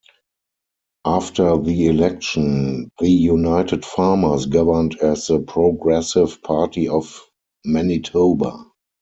After the election, the United Farmers governed as the "Progressive Party of Manitoba".